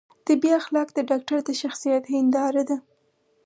طبي اخلاق د ډاکتر د شخصیت هنداره ده